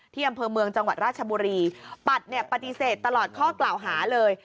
อำเภอเมืองจังหวัดราชบุรีปัดเนี่ยปฏิเสธตลอดข้อกล่าวหาเลย